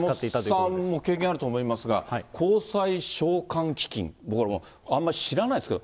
これは橋下さんも経験あると思いますが、公債償還基金、僕らあんまり知らないですけど。